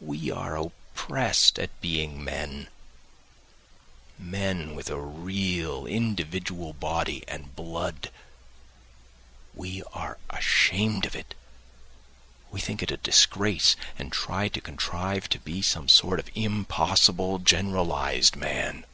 We are oppressed at being men—men with a real individual body and blood, we are ashamed of it, we think it a disgrace and try to contrive to be some sort of impossible generalised man.